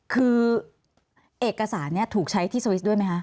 คือเอกสารนี้ถูกใช้ที่สวิสด้วยไหมคะ